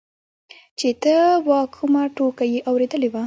چې ته وا کومه ټوکه يې اورېدلې ده.